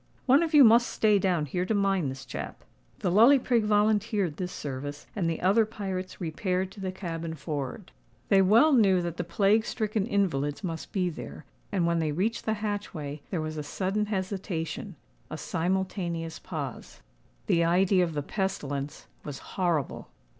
One of you must stay down here to mind this chap." The Lully Prig volunteered this service; and the other pirates repaired to the cabin forward. They well knew that the plague stricken invalids must be there; and when they reached the hatchway, there was a sudden hesitation—a simultaneous pause. The idea of the pestilence was horrible.